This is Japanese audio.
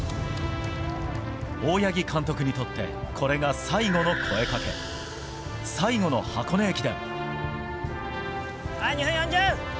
大八木監督にとって、これが最後の声かけ、最後の箱根駅伝。